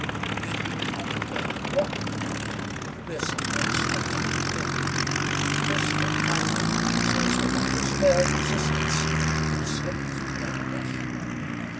Then he would comb it again in the morning this, of course, when time permitted and twist and tie it up so as to offer small resistance to his slipping through the underbush.